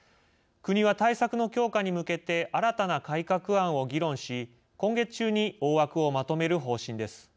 国は対策の強化に向けて新たな改革案を議論し今月中に大枠をまとめる方針です。